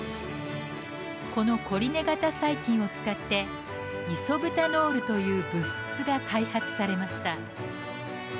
このコリネ型細菌を使って「イソブタノール」という物質が開発されました。